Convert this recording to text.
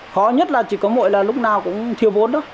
khó nhất là chỉ có mội là lúc nào cũng thiêu vốn đó